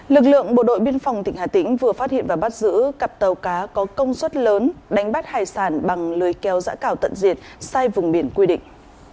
lực lượng bộ đội biên phòng tỉnh hà tĩnh vừa phát hiện và bắt giữ cặp tàu cá có công suất lớn đánh bắt hải sản bằng lời kéo giã cào tận diệt sai vùng biển quy định